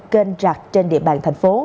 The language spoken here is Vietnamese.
kênh rạc trên địa bàn